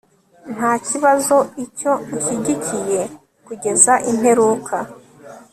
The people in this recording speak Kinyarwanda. ntakibazo icyo unshyigikiye kugeza imperuka